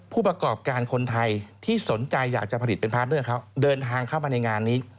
ผู้ประกอบการคนไทยที่สนใจอยากจะผลิตเป็นพาร์ทเนอร์เขาเดินทางเข้ามาในงานนี้